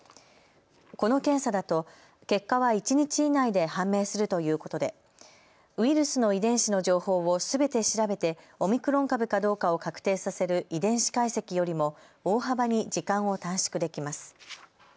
この検査だと結果は一日以内で判明するということでウイルスの遺伝子の情報をすべて調べてオミクロン株かどうかを確定させる遺伝子解析よりも大幅に時間を短縮できます。